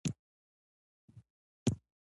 د دوی ژوند خراب دی او د مایوسیو نښې په مخونو کې ښکاري.